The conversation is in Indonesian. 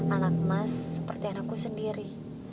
anak emas seperti anakku sendiri